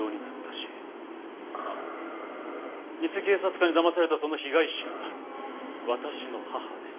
あっ偽警察官にだまされたその被害者私の母です。